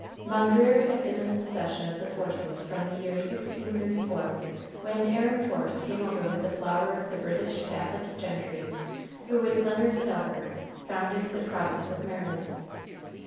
Mondreer had been in the possession of the Forces from the year 1634, when Aaron Force came over with the flower of the British Catholic gentry who, with Leonard Calvert, founded the province of Maryland.